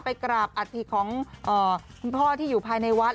กราบอัฐิของคุณพ่อที่อยู่ภายในวัด